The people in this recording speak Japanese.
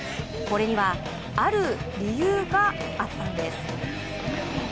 これにはある理由があったんです。